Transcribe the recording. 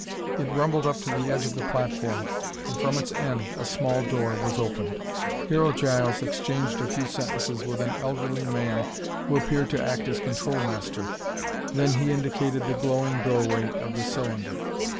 It rumbled up to the edge of the platform and from its end a small door was opened. Hero Giles exchanged a few sentences with an elderly man who appeared to act as control master, then he indicated the glowing doorway of the cylinder.